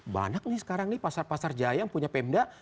banyak nih sekarang nih pasar pasar jayang punya pemda